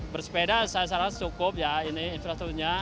bersepeda secara secukup ya ini infrasturnya